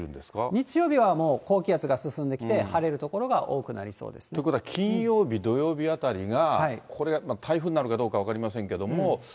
日曜日はもう、高気圧が進んできて、晴れる所が多くなりそうということは金曜日、土曜日あたりが、これが台風になるかどうか分かりませんけども。